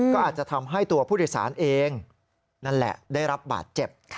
ก็อาจจะทำให้ตัวผู้โดยสารเองนั่นแหละได้รับบาดเจ็บ